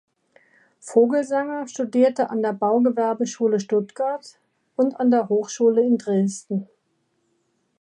Vogelsanger studierte an der Baugewerbeschule Stuttgart und an der Hochschule in Dresden.